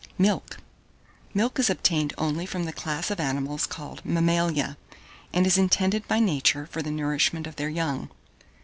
MILK. 1608. Milk is obtained only from the class of animals called Mammalia, and is intended by Nature for the nourishment of their young.